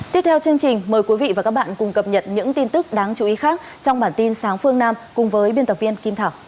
tiếp theo chương trình mời quý vị và các bạn cùng cập nhật những tin tức đáng chú ý khác trong bản tin sáng phương nam cùng với biên tập viên kim thảo